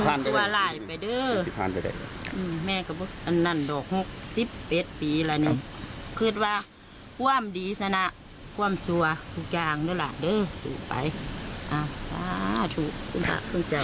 ถ่ายลูกไว้ถ่ายลูกถ่ายลูกนุกทรายมาแค่นี้เขาก็เอาโทรศัพท์มาครับ